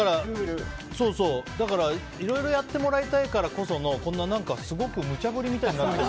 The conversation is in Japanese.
だからいろいろやってもらいたいからこそのこんなすごくむちゃ振りみたいな。